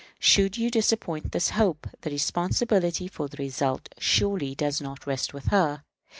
Should you disappoint this hope, the responsibility for the result surely does not rest with her.